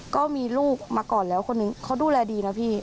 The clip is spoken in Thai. ก็มีลูกมาก่อนแล้วคนนึงเขาดูแลดีนะพี่